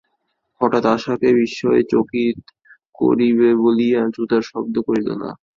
হঠাৎ আশাকে বিস্ময়ে চকিত করিবে বলিয়া জুতার শব্দ করিল না।